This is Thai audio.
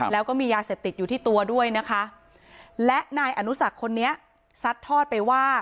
แล้วก็มียาเสพติดอยู่ที่ตัวด้วยนะคะและนายอนุสักคนนี้ซัดทอดไปว่า